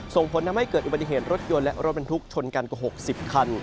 ส่งผลทำให้เกิดอุบัติเหตุรถยนต์และรถบรรทุกชนกันกว่า๖๐คัน